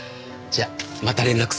じゃあまた連絡するわ。